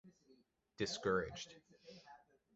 Discouraged.